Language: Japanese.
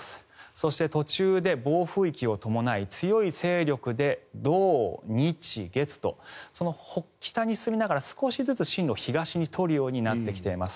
そして、途中で暴風域を伴い強い勢力で土、日、月と北に進みながら少しずつ進路を東に取るようになってきます。